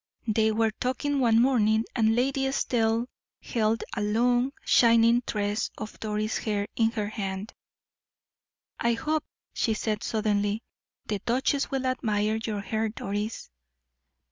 They were talking one morning, and Lady Estelle held a long, shining tress of Doris' hair in her hand. "I hope," she said, suddenly, "the duchess will admire your hair, Doris."